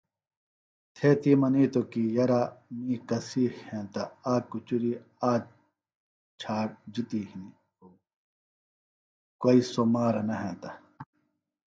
گھوݜٹہ بےۡ گولیۡ کھا بہ تی تیݨی کُڑی تھےۡ منِیتوۡ کی یرہ می کسی ہینتہ آک کُچُری آک جھاٹ جِتیۡ خوۡ کوئیۡ سوۡ مارہ نہ ہینتہ